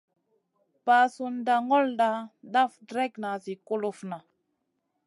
Ɓasunda ŋolda daf dregŋa zi kulufna.